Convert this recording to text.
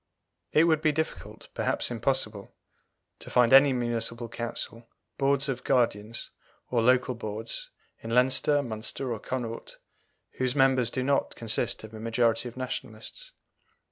It would be difficult, perhaps impossible, to find any Municipal Council, Boards of Guardians, or Local Boards, in Leinster, Munster, or Connaught, whose members do not consist of a majority of Nationalists.